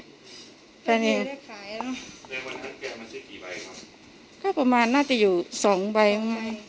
ได้ขายเนอะในวันนั้นแกมาซื้อกี่ใบครับก็ประมาณน่าจะอยู่สองใบไหม